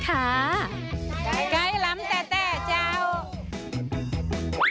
ไก่ล้ำแต่เจ้า